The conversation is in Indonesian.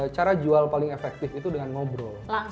cara jual paling efektif itu dengan ngobrol